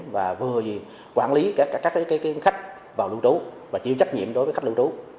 và vừa quản lý các khách vào lưu trú và chịu trách nhiệm đối với khách lưu trú